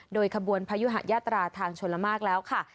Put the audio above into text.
โดยขบวนพยุหะยาตราทางชนละมากแล้วค่ะ